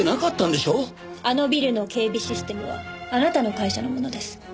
あのビルの警備システムはあなたの会社のものです。